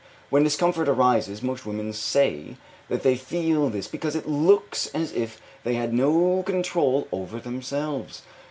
When discomfort arises, most women say that they feel this because 'it looks as if they had no control over themselves.'